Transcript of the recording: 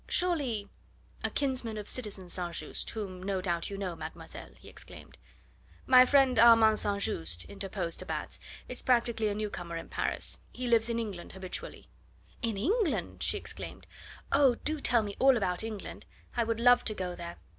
"Surely " "A kinsman of citizen St. Just, whom no doubt you know, mademoiselle," he exclaimed. "My friend Armand St. Just," interposed de Batz, "is practically a new comer in Paris. He lives in England habitually." "In England?" she exclaimed. "Oh! do tell me all about England. I would love to go there.